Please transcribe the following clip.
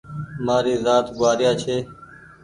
مآري زآت گوآريآ ڇي